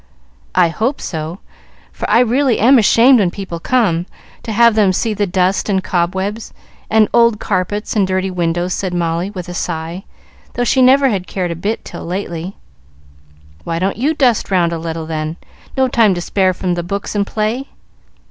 "I hope so, for I really am ashamed when people come, to have them see the dust and cobwebs, and old carpets and dirty windows," said Molly, with a sigh, though she never had cared a bit till lately. "Why don't you dust round a little, then? No time to spare from the books and play?"